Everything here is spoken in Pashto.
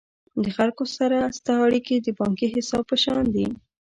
د خلکو سره ستا اړیکي د بانکي حساب په شان دي.